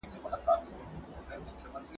ځکه چي ورځ بېله هغه هم ښه زېری نه راوړي !.